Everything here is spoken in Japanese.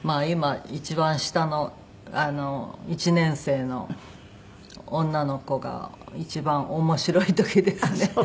今一番下の１年生の女の子が一番面白い時ですね。